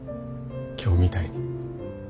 今日みたいに。